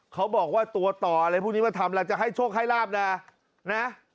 เขาบอกว่าตัวต่ออะไรพวกนี้มาทำแล้วจะให้โชคให้ลาบนะนะ